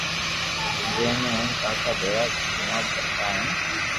جي ۾ ھين ڪاڪا ڀيرو گونا ڀرتو ھين